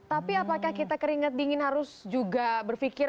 tapi apakah kita keringat dingin harus juga berpikir